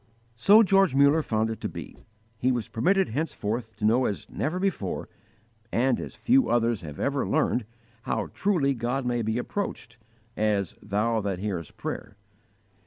So George Muller found it to be. He was permitted henceforth to know as never before, and as few others have ever learned, how truly God may be approached as "Thou that hearest prayer."